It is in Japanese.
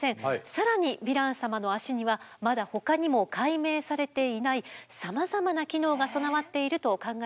更にヴィラン様の脚にはまだほかにも解明されていないさまざまな機能が備わっていると考えられています。